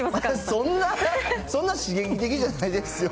そんな刺激的じゃないですよ。